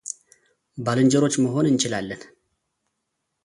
ባልንጀሮች መሆን እንችላለን፡፡